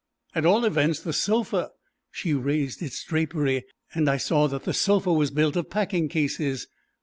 "At all events the sofa " She raised its drapery, and I saw that the sofa was built of packing cases.